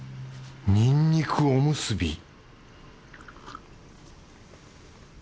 にんにくおむすび